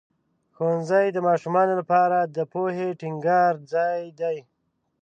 ښوونځی د ماشومانو لپاره د پوهې ټینګار ځای دی.